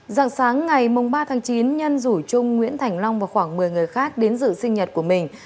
dạng sáng ngày ba tháng chín nhân rủ trung nguyễn thành long và khoảng một mươi người khác đến dự sinh nhật của mình